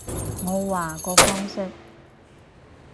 我話個方式